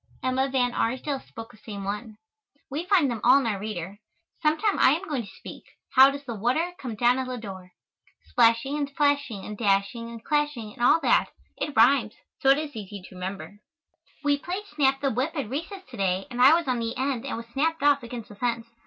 Emma Van Arsdale spoke the same one. We find them all in our reader. Sometime I am going to speak, "How does the water come down at Ladore?" Splashing and flashing and dashing and clashing and all that it rhymes, so it is easy to remember. We played snap the whip at recess to day and I was on the end and was snapped off against the fence.